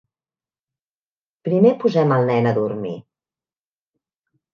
Primer posem el nen a dormir.